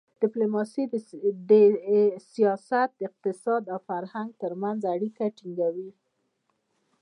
ډیپلوماسي د سیاست، اقتصاد او فرهنګ ترمنځ اړیکه ټینګوي.